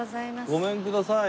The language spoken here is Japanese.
ごめんください。